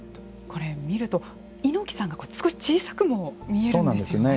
これ見ると猪木さんが少し小さくも見えるんですよね。